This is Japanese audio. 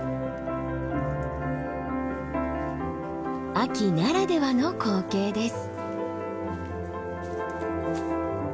秋ならではの光景です。